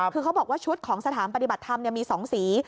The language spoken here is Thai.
คือเขาบอกว่าชุดของสถานปฏิบัติธรรมมี๒สี